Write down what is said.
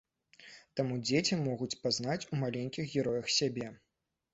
Таму дзеці могуць пазнаць у маленькіх героях сябе.